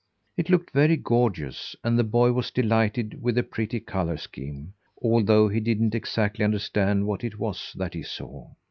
It looked very gorgeous, and the boy was delighted with the pretty colour scheme, although he didn't exactly understand what it was that he saw.